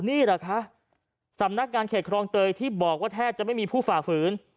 นี่เหรอคะสำนักงานเขตครองเตยที่บอกว่าแทบจะไม่มีผู้ฝ่าฝืน